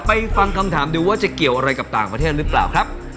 ฟังคำถามดูว่าจะเกี่ยวอะไรกับต่างประเทศหรือเปล่าครับ